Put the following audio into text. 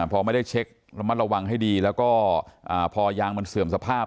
พอไม่ได้เช็คระมัดระวังให้ดีแล้วก็พอยางมันเสื่อมสภาพ